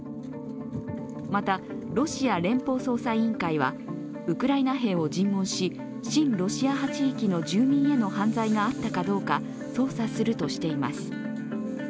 またロシア連邦捜査委員会はウクライナ兵を尋問し親ロシア派地域の住民への犯罪があったかどうか捜査するとしています。